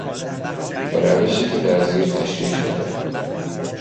به روشی که در زیر تشریح شده